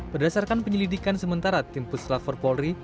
berdasarkan penyelidikan sementara timpus laferpolri